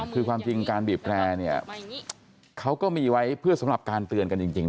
คือความจริงการบีบแรร์เนี่ยเขาก็มีไว้เพื่อสำหรับการเตือนกันจริง